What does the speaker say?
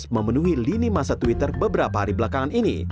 memenuhi lini masa twitter beberapa hari belakangan ini